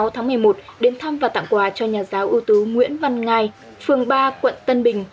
hai mươi tháng một mươi một đến thăm và tặng quà cho nhà giáo ưu tú nguyễn văn ngai phường ba quận tân bình